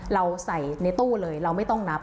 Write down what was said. เราใส่ในตู้เลยเราไม่ต้องนับ